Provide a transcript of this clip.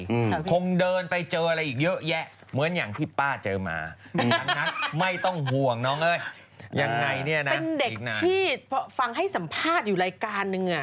ยังไงนี่นะนึกหน้าเพราะว่าฟังให้สัมภาษณ์อยู่รายการหนึ่ง